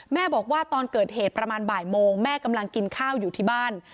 แม่บอกว่าตอนเกิดเหตุประมาณบ่ายโมงแม่กำลังกินข้าวอยู่ที่บ้าน